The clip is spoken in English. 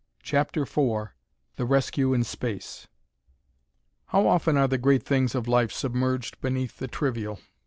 CHAPTER IV The Rescue in Space How often are the great things of life submerged beneath the trivial.